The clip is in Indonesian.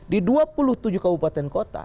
di dua puluh tujuh kabupaten kota